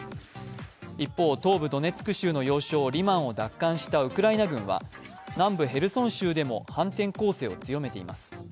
一方、東部ドネツク州の要衝・リマンを奪還したウクライナ軍は南部ヘルソン州でも反転攻勢を強めています。